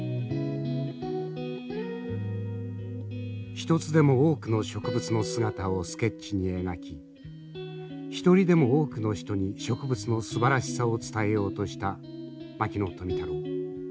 一つでも多くの植物の姿をスケッチに描き一人でも多くの人に植物のすばらしさを伝えようとした牧野富太郎。